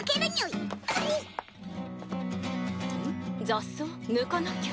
雑草？抜かなきゃ。